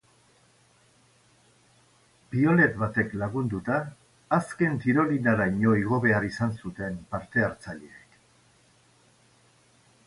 Piolet batek lagunduta, azken tirolinaraino igo behar izan zuten parte-hartzaileek.